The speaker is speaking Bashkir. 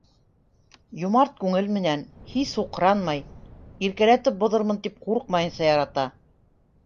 Йомарт күңел менән, һис һуҡранмай, иркәләтеп боҙормон тип ҡурҡмайынса ярата.